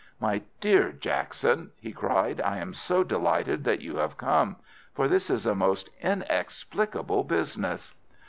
"My dear Jackson," he cried, "I am so delighted that you have come, for this is a most inexplicable business."